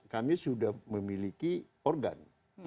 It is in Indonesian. kami sudah memiliki organ